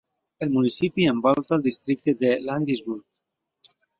El municipi envolta el districte de Landisburg.